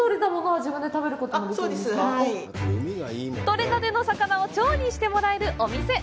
取れたての魚を調理してもらえるお店！